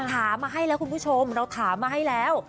ถามมาให้แล้วคุณผู้ชมเราถามมาให้แล้ว